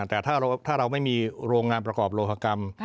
แต่ถ้าเราไม่มีโรงงานประกอบโลหกรรม